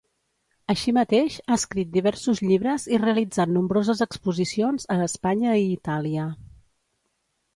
Així mateix, ha escrit diversos llibres i realitzat nombroses exposicions a Espanya i Itàlia.